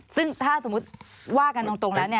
ซึ่งถ้าสมมุติว่ากันตรงแล้ว